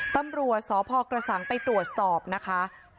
ตำรวจสพกระสังไปตรวจสอบนะคะ